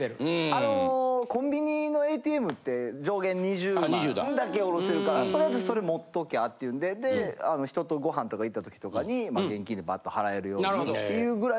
あのコンビニのＡＴＭって上限２０万だけ下ろせるからとりあえずそれ持っときゃあって言うんでで人とご飯とか行った時とかに現金でバッと払えるようにっていうぐらいの。